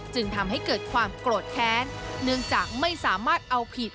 จึงทำให้เกิดความโกรธแค้นเนื่องจากไม่สามารถเอาผิด